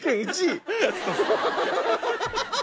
ハハハハ！